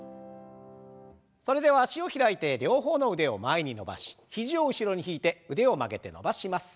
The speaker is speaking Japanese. それでは脚を開いて両方の腕を前に伸ばし肘を後ろに引いて腕を曲げて伸ばします。